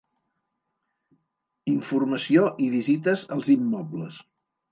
Informació i visites als immobles.